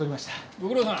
ご苦労さん。